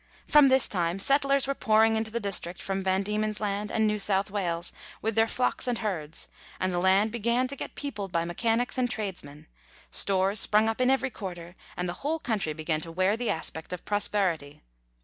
Fro:n this time settlers were pouring into the district from Van Diemen's Land and New South Wales with their flocks and herds, and the land began to get peopled by mechanics and tradesmen ; stores sprung up in every quarter, and the whole country began to wear the aspect of prosperity.